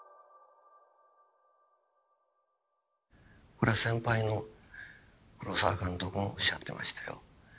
これは先輩の黒澤監督もおっしゃってましたよ。